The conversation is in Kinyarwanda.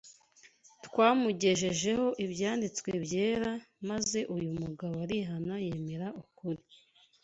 twamugejejeho Ibyanditswe byera, maze uyu mugabo arihana yemera ukuri.